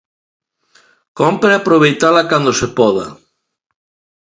Compre aproveitala cando se poda.